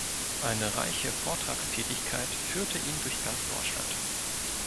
Eine reiche Vortragstätigkeit führte ihn durch ganz Deutschland.